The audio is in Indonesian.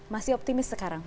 masih optimis sekarang